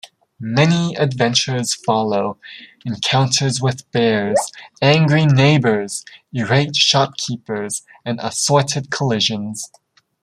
Many adventures follow: encounters with bears, angry neighbours, irate shopkeepers, and assorted collisions.